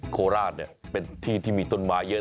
โคราชเป็นที่ที่มีต้นไม้เยอะ